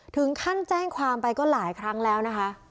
ถึงขั้นแจ้งความไปก็หลายครั้งแล้วนะคะ